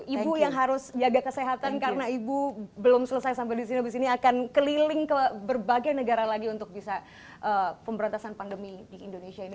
ibu yang harus jaga kesehatan karena ibu belum selesai sampai di sini habis ini akan keliling ke berbagai negara lagi untuk bisa pemberantasan pandemi di indonesia ini